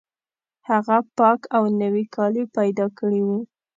هغه پاک او نوي کالي پیدا کړي وو